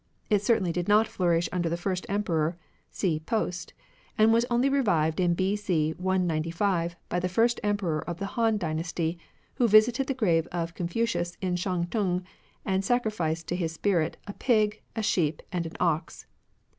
It certainly did not flourish under the " First Emperor " (see post), and was only revived in B.C. 195 by the first Emperor of the Han dynasty, who visited the grave of Confucius in Shantung and sacrificed to his spirit a pig, a sheep, and an ox.